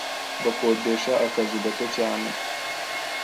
Bakodesha akazu gato cyane